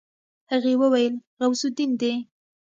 هغې وويل غوث الدين دی.